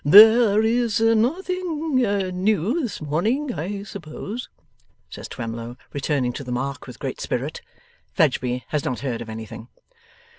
'There is nothing new this morning, I suppose?' says Twemlow, returning to the mark with great spirit. Fledgeby has not heard of anything.